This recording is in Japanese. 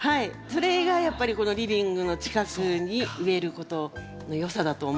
それがやっぱりこのリビングの近くに植えることのよさだと思うんです。